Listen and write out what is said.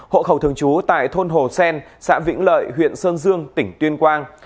hộ khẩu thường trú tại thôn hồ sen xã vĩnh lợi huyện sơn dương tỉnh tuyên quang